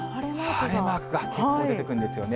晴れマークが出てくるんですよね。